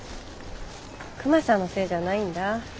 クマさんのせいじゃないんだ。